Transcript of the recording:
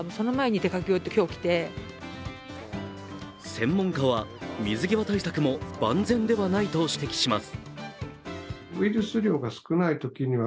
専門家は水際対策も万全ではないと指摘します。